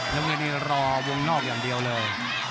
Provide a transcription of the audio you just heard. และวันนี้รอวงนอกอย่างเดียวเลย